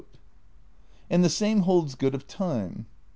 And the same holds good of time.